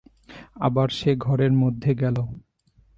আবার সে ঘরের মধ্যে গেল।